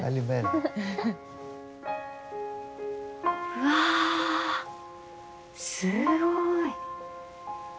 うわすごい。